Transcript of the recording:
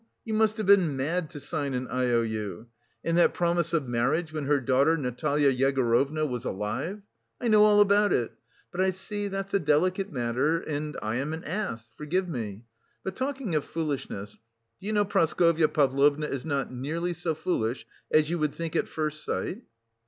You must have been mad to sign an I O U. And that promise of marriage when her daughter, Natalya Yegorovna, was alive?... I know all about it! But I see that's a delicate matter and I am an ass; forgive me. But, talking of foolishness, do you know Praskovya Pavlovna is not nearly so foolish as you would think at first sight?"